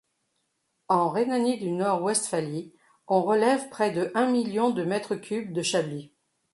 En Rhénanie-du-Nord-Westphalie, on relève près de un million de mètres cubes de chablis.